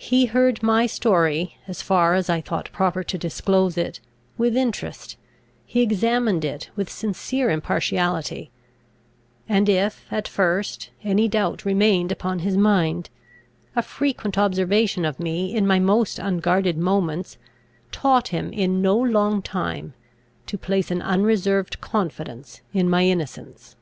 He heard my story, as far as I thought proper to disclose it, with interest; he examined it with sincere impartiality; and if, at first, any doubt remained upon his mind, a frequent observation of me in my most unguarded moments taught him in no long time to place an unreserved confidence in my innocence.